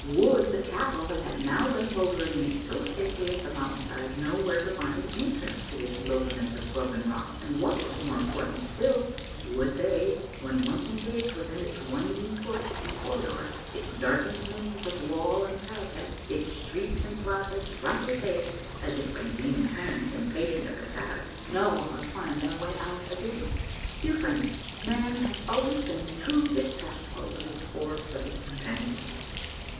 Would the cattle that had now led Bulger and me so safely up the mountain side know where to find an entrance to this wilderness of broken rock, and what was more important still, would they, when once engaged within its winding courts and corridors, its darkened maze of wall and parapet, its streets and plazas roughly paved as if by demon hands impatient of the task, know how to find their way out again ? Dear friends, man has always been too distrustful of his four footed companions.